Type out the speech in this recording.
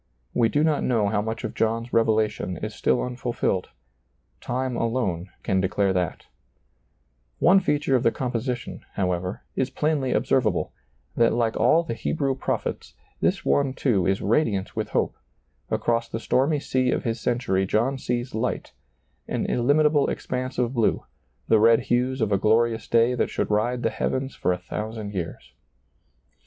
We do not know how much of John's revelation is still unfulfilled. Time alone can de clare that One feature of the composition, however, is plainly observable : that like all the Hebrew pro phets, this one too is radiant with hope ; across the stormy sea of his century John sees light, an illim itable expanse of blue, the red hues of a glorious day that should ride the heavens for a thousand years.